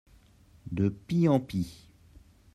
De pis en pis.